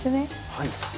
はい。